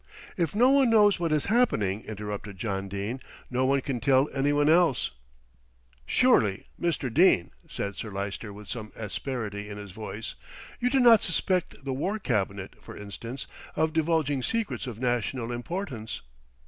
"If no one knows what is happening," interrupted John Dene, "no one can tell anyone else." "Surely, Mr. Dene," said Sir Lyster with some asperity in his voice, "you do not suspect the War Cabinet, for instance, of divulging secrets of national importance."